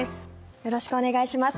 よろしくお願いします。